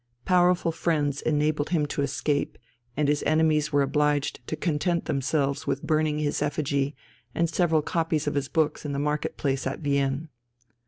Powerful friends enabled him to escape, and his enemies were obliged to content themselves with burning his effigy and several copies of his books in the market place at Vienne.